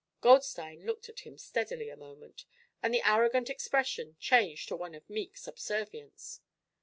Goldstein looked at him steadily a moment and the arrogant expression changed to one of meek subservience.